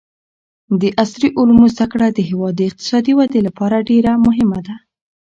د عصري علومو زده کړه د هېواد د اقتصادي ودې لپاره ډېره مهمه ده.